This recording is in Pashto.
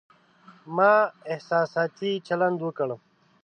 ما احساساتي چلند وکړ